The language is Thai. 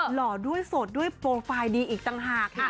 หล่อด้วยโสดด้วยโปรไฟล์ดีอีกต่างหาก